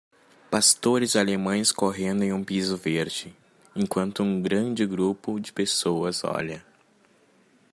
Pastores alemães correndo em um piso verde, enquanto um grande grupo de pessoas olhar.